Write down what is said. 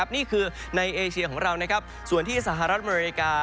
นี่คือในเอเชียของเราส่วนที่สหรัฐอเมริกา